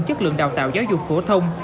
chất lượng đào tạo giáo dục phổ thông